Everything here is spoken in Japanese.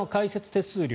手数料